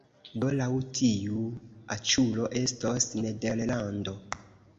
Do laŭ tiu aĉulo estos Nederlando